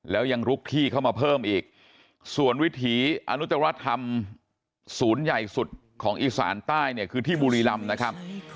แล้วยังลุกที่เข้ามาเพิ่มอีกส่วนวิถีอนุตรธรรมศูนย์ใหญ่สุดของอีสานใต้เนี่ยคือที่บุรีรำนะครับ